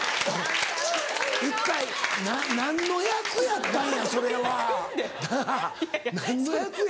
一体何の役やったんやそれはなぁ何の役や。